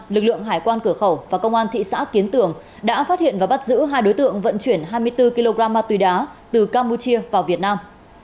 lực lượng hải quan cửa khẩu và công an thị xã kiến tường đã phát hiện và bắt giữ hai đối tượng vận chuyển hai mươi bốn kg ma túy đá từ campuchia vào việt nam